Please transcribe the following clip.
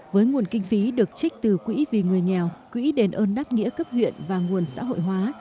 với nguồn kinh phí được trích từ quỹ vì người nghèo quỹ đền ơn đáp nghĩa cấp huyện và nguồn xã hội hóa